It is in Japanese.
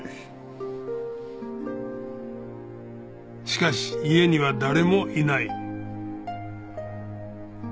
しかし家には誰もいない。